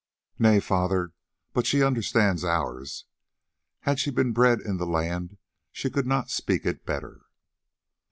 "Nay, father, but she understands ours. Had she been bred in the land she could not speak it better."